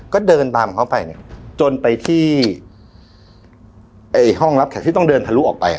ก็เดินตามเขาไปเนี่ยจนไปที่ห้องรับแขกที่ต้องเดินทะลุออกไป